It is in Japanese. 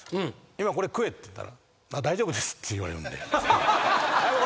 今「これ食え」って言ったら「あっ大丈夫です」って言われるんで。